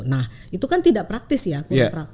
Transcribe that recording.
nah itu kan tidak praktis ya